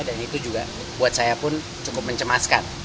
dan itu juga buat saya pun cukup mencemaskan